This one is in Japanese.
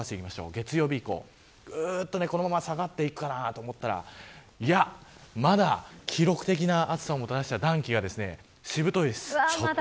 月曜日以降このまま下がっていくかなと思ったらまだ記録的な暑さをもたらした暖気がしぶといです。